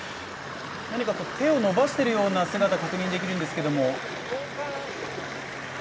何か手を伸ばしているような姿が確認できるんですけど？